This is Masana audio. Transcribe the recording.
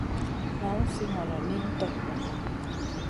Lawn si ŋolo, lihn torbogo.